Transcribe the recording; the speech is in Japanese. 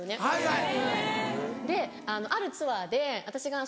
あるツアーで私が。